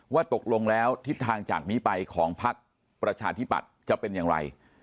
ว่าตกลงแล้วทิศทางจากนี้ไปของพักประชาธิปัตย์จะเป็นอย่างไร